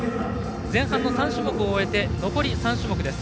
前半の３種目を終えて残り３種目。